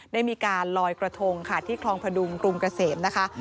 ได้มีการลอยกระทงค่ะที่คลองพระดุงกรุงเกษมนะคะ